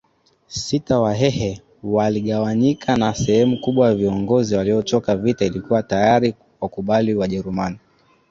sita Wahehe waligawanyika na sehemu kubwa ya viongozi waliochoka vita ilikuwa tayari kuwakubali Wajerumani